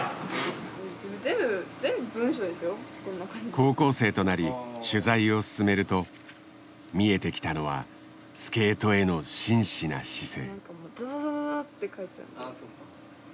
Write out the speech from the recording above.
高校生となり取材を進めると見えてきたのはスケートへの真摯な姿勢。